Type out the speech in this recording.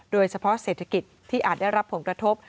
โดยเฉพาะเศรษฐกิจที่อาจได้รับผลกระทบ